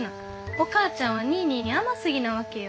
お母ちゃんはニーニーに甘すぎなわけよ。